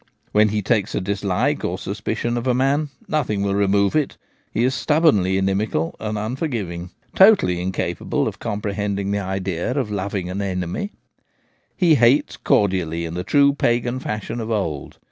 When he takes a dislike or suspi cion of a man, nothing will remove it ; he is stubbornly inimical and unforgiving, totally incapable of compre hending the idea of loving an enemy. . He hates cor dially in the true pagan fashion of old.